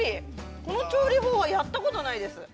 この調理法はやったことないです。